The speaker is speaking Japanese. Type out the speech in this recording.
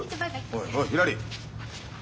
おいおいひらり。